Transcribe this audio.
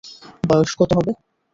বয়স কত হবে?